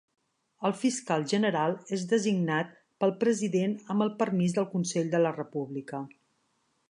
El fiscal general és designat pel president amb el permís del Consell de la República.